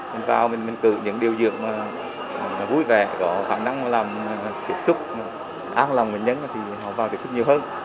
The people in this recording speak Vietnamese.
mình vào mình cử những điều dược mà vui vẻ có khả năng làm kiểm trúc an lòng người nhân thì họ vào kiểm trúc nhiều hơn